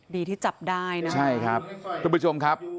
ดีที่จับได้นะใช่ครับทุกผู้ชมครับ